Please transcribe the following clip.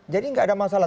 jadi nggak ada masalah